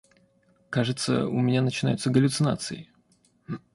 Кажется, у меня начинаются галлюцинации.